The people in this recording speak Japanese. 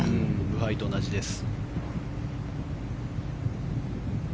ブハイと同じです。